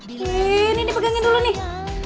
ini nih pegangin dulu nih